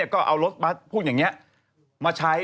ก็เอารถบัสพวกอย่างนี้มาใช้